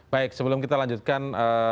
baik sebelum kita lanjutkan